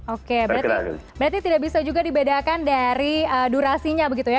oke berarti tidak bisa juga dibedakan dari durasinya begitu ya